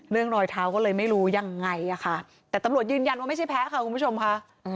รอยเท้าก็เลยไม่รู้ยังไงอะค่ะแต่ตำรวจยืนยันว่าไม่ใช่แพ้ค่ะคุณผู้ชมค่ะ